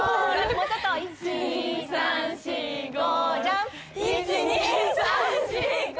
もうちょっと１２３４５６・ジャンプ１２３４５６